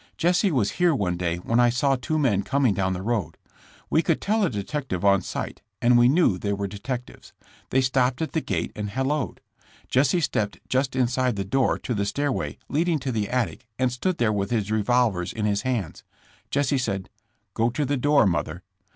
Jesse was here one day when I saw two men coming down the road. We could tell a detective on sight, and we knew they were detectives. They stopped at the gate and hal lowed. Jesse stepped just inside the door to the 90 JESSS JAMES. stairway leading to the attic and stood there with his revolvers in his hands. Jesse said: *' 'Go to the door, mother.'